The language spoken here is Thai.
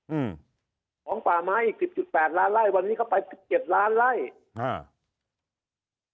อืมของป่าไม้อีกสิบจุดแปดล้านไล่วันนี้เข้าไปสิบเจ็ดล้านไล่อ่า